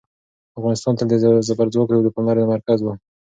افغانستان تل د زبرځواکونو د پاملرنې مرکز و.